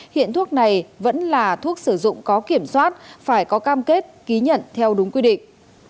hiện thuốc này vẫn là thuốc sử dụng có kiểm soát phải có cam kết ký nhận theo đúng quy định